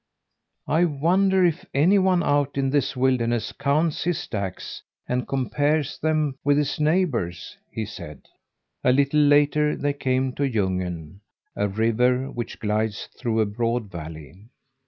"I wonder if any one out in this wilderness counts his stacks, and compares them with his neighbour's?" he said. A little later they came to Ljungen, a river which glides through a broad valley.